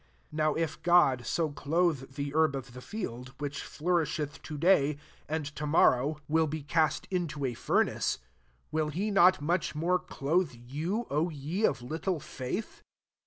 30 Now if God so clothe the herb of the field, which flourisheth to day, and to^norrow will be cast into a MATTHEW VII. d$ furnace ; will he not much more clothe you, O ye of little faith